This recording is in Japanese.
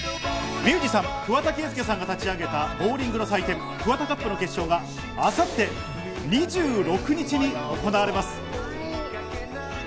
ミュージシャン・桑田佳祐さんが立ち上げたボウリングの祭典・ＫＵＷＡＴＡＣＵＰの決勝が明後日２６日に行われます。